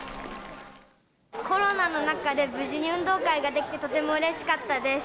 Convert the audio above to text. コロナの中で無事に運動会ができてとてもうれしかったです。